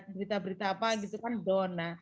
berita berita apa gitu kan donna